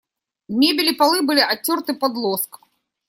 Мебель и полы были оттерты под лоск.